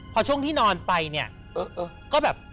พอช่วงที่นอนไปเนี่ยเออก็แบบ